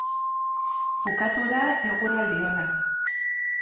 Bukatu da eguraldi ona.